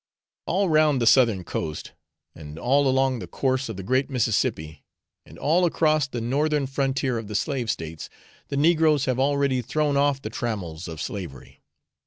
All round the Southern coast, and all along the course of the great Mississippi, and all across the northern frontier of the Slave States, the negroes have already thrown off the trammels of slavery.